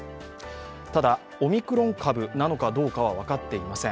ただ、オミクロン株なのかどうかは分かっていません。